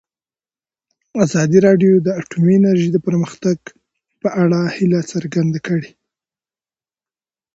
ازادي راډیو د اټومي انرژي د پرمختګ په اړه هیله څرګنده کړې.